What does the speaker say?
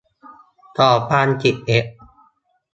สองพันสิบเอ็ด